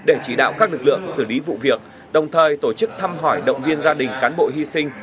ủng hộ các lực lượng xử lý vụ việc đồng thời tổ chức thăm hỏi động viên gia đình cán bộ hy sinh